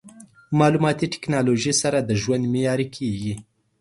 مالوماتي ټکنالوژي سره د ژوند معیاري کېږي.